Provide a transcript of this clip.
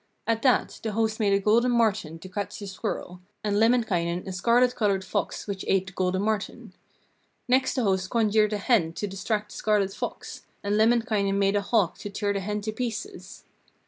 At that the host made a golden marten to catch the squirrel, and Lemminkainen a scarlet coloured fox which ate the golden marten. Next the host conjured a hen to distract the scarlet fox, and Lemminkainen made a hawk to tear the hen to pieces.